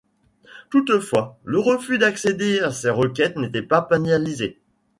Toutefois, le refus d'accéder à ces requêtes n'était pas pénalisé.